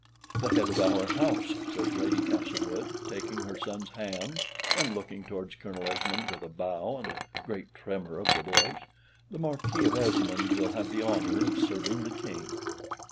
"The head of our house," says Lady Castlewood, taking her son's hand, and looking towards Colonel Esmond with a bow and a great tremor of the voice; "the Marquis of Esmond will have the honor of serving the King."